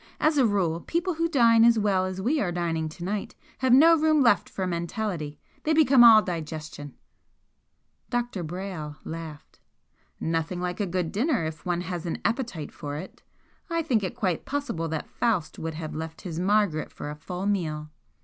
"As a rule people who dine as well as we are dining to night have no room left for mentality they become all digestion!" Dr. Brayle laughed. "Nothing like a good dinner if one has an appetite for it. I think it quite possible that Faust would have left his Margaret for a full meal!"